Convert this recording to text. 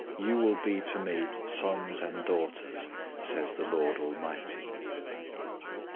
You will be to me sons and daughters,' says the Lord Almighty."